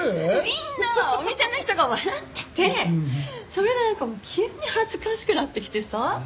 みんなお店の人が笑っててそれでなんかもう急に恥ずかしくなってきてさ。